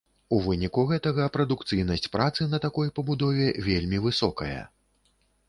У выніку гэтага прадукцыйнасць працы на такой пабудове вельмі высокая.